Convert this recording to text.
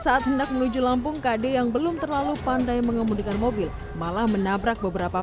saat hendak menuju lampung kd yang belum terlalu pandai mengemudikan mobil malah menabrak beberapa